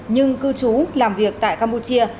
thư chú làm việc tại campuchia